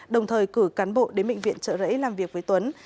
đồng thời cử cán bộ đến bệnh viện trợ rẫy làm việc với tuấn